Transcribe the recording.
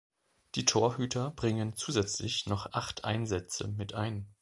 Die Torhüter bringen zusätzlich noch acht Einsätze mit ein.